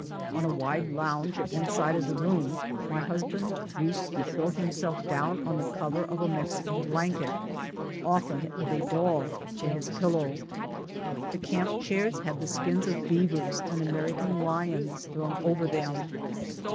On a wide lounge at one side of the room my husband used to throw himself down on the cover of a Mexican blanket, often with a dog for his pillow. The camp chairs had the skins of beavers and American lions thrown over them.